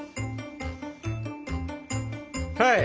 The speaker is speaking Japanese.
はい！